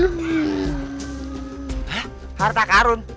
hah harta karun